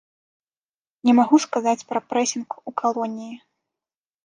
Не магу сказаць пра прэсінг у калоніі.